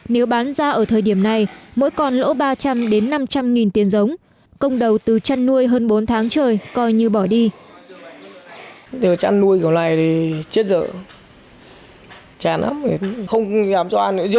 nếu bán ra ở thời điểm này mỗi con lỗ ba trăm linh đến năm trăm linh nghìn tiền giống